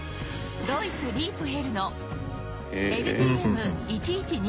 ドイツリープヘルの ＬＴＭ１１２００